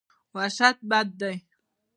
وحشت بد دی.